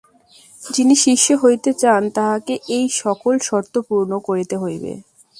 যিনি শিষ্য হইতে চান, তাঁহাকে এই সকল শর্ত পূর্ণ করিতে হইবে।